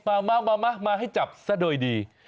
มามาให้จับซะโดยดี